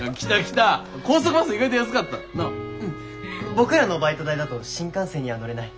僕らのバイト代だと新幹線には乗れない。